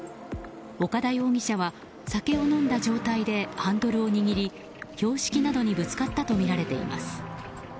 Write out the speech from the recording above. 岡田容疑者は酒を飲んだ状態でハンドルを握り標識などにぶつかったとみられています。